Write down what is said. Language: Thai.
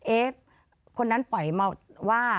เอ๊ะคนนั้นปล่อยมาว่า